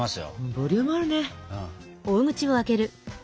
ボリュームあるね。